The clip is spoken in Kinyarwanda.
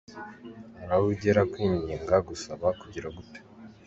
Hari aho ugera kwinginga, gusaba, kugira gute….